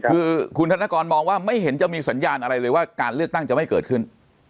คือคุณธนกรมองว่าไม่เห็นจะมีสัญญาณอะไรเลยว่าการเลือกตั้งจะไม่เกิดขึ้น